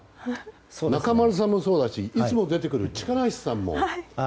中丸さんもそうだしいつも出てくる力石さんも。